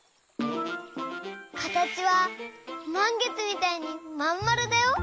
かたちはまんげつみたいにまんまるだよ。